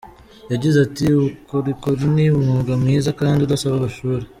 Yagize ati “Ubukorikori ni umwuga mwiza kandi udasaba amashuri.